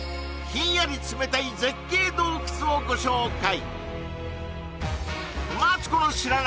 ひんやり冷たい絶景洞窟をご紹介！